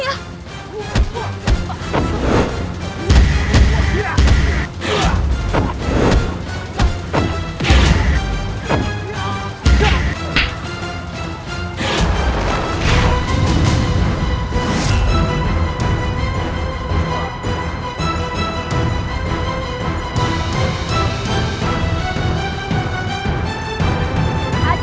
aduh gawat surawat ini